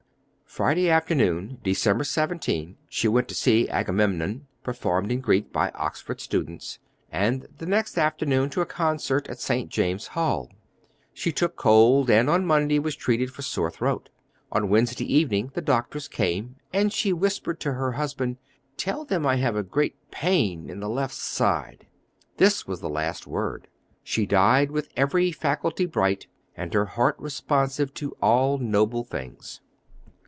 Friday afternoon, Dec. 17, she went to see Agamemnon performed in Greek by Oxford students, and the next afternoon to a concert at St. James Hall. She took cold, and on Monday was treated for sore throat. On Wednesday evening the doctors came, and she whispered to her husband, "Tell them I have great pain in the left side." This was the last word. She died with every faculty bright, and her heart responsive to all noble things.